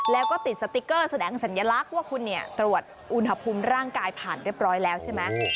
แล้วก็ติดสติ๊กเกอร์แสดงสัญลักษณ์ว่าคุณเนี่ยตรวจอุณหภูมิร่างกายผ่านเรียบร้อยแล้วใช่ไหม